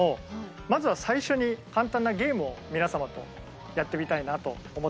まずは最初に簡単なゲームを皆様とやってみたいなと思っております。